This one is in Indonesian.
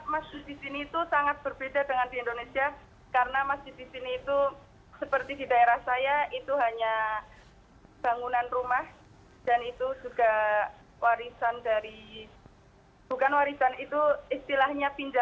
masjid di sini itu sangat berbeda dengan di indonesia karena masjid di sini itu seperti di daerah saya itu hanya bangunan rumah dan itu juga warisan dari bukan warisan itu istilahnya pinjaman